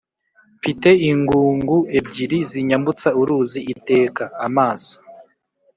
Mfite ingungu ebyiri zinyambutsa uruzi iteka.-Amaso.